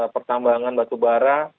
pertambangan batu bara